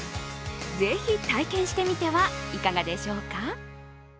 ぜひ体験してみてはいかがでしょうか。